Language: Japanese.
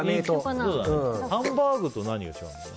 ハンバーグと何が違うんですか？